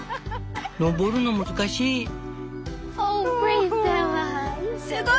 登るの難しい」。